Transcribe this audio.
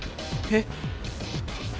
えっ？